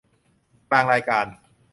กลางรายการ